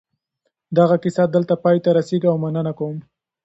دغه کیسه دلته پای ته رسېږي او مننه کوم.